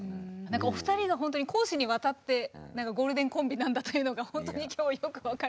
なんかお二人がほんとに公私にわたってゴールデンコンビなんだというのがほんとに今日よく分かりました。